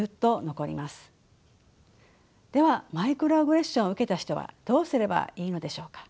ではマイクロアグレッションを受けた人はどうすればいいのでしょうか。